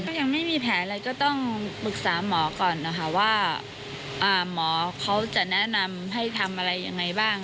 ยังไม่มีแผลอะไรก็ต้องปรึกษาหมอก่อนนะคะว่าหมอเขาจะแนะนำให้ทำอะไรยังไงบ้าง